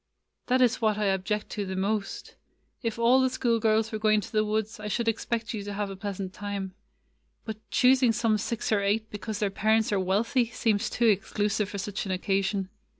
"That is what I object to the most. If all [ 79 ] AN EASTER LILY the school girls were going to the woods, I should expect you to have a pleasant time. But choosing some six or eight because their parents are wealthy seems too exclusive for such an occasion.